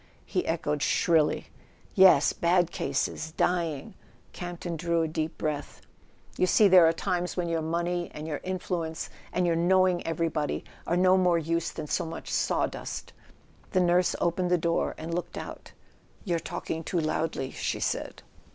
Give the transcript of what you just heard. he echoed shrilly. "Yes—bad cases; dying." Campton drew a deep breath. "You see there are times when your money and your influence and your knowing everybody are no more use than so much sawdust " The nurse opened the door and looked out. "You're talking too loudly," she said.